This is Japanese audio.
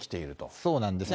そうなんですね。